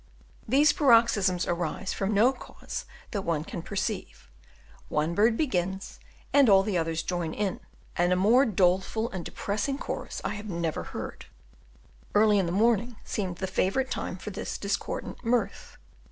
These paroxysms arise from no cause that one can perceive; one bird begins, and all the others join in, and a more doleful and depressing chorus I never heard: early in the morning seemed the favourite time for this discordant mirth.